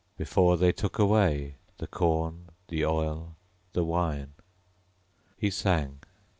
Before they took away The corn, the oil, the wine. He sang.